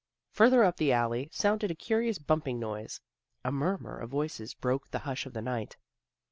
Further up the alley sounded a curious bumping noise. A murmur of voices broke the hush of the night.